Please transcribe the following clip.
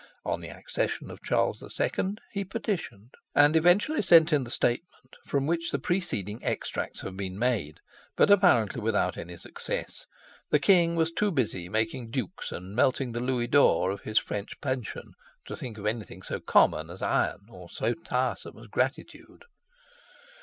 On the accession of Charles II., he petitioned, and eventually sent in the statement from which the preceding extracts have been made, but apparently without any success. The king was too busy making dukes and melting the louis d'ors of his French pension, to think of anything so common as iron or so tiresome as gratitude.